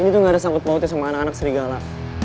ini tuh gak ada sangkut pautnya sama anak anak serigala